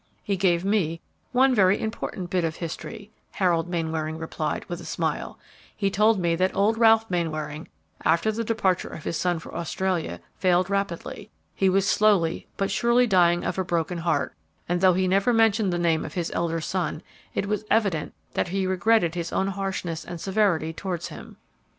"He gave me one very important bit of history," Harold Mainwaring replied, with a smile. "He told me that old Ralph Mainwaring, after the departure of his son for Australia, failed rapidly. He was slowly but surely dying of a broken heart, and, though he never mentioned the name of his elder son, it was evident that he regretted his own harshness and severity towards him.